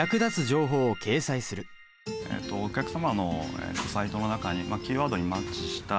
お客様のサイトの中にキーワードにマッチした